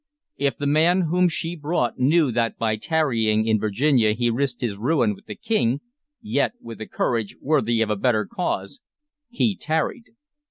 If the man whom she brought knew that by tarrying in Virginia he risked his ruin with the King, yet, with a courage worthy of a better cause, he tarried.